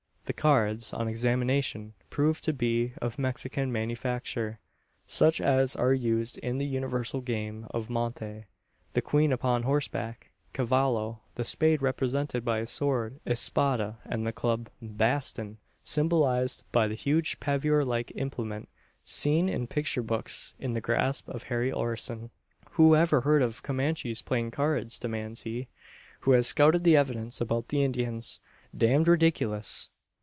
The cards, on examination, prove to be of Mexican manufacture such as are used in the universal game of monte the queen upon horseback "cavallo" the spade represented by a sword "espada" and the club "baston" symbolised by the huge paviour like implement, seen in picture books in the grasp of hairy Orson. "Who ever heard of Comanches playing cards?" demands he, who has scouted the evidence about the Indians. "Damned ridiculous!"